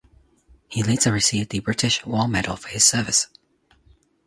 He later received the British War Medal for his service.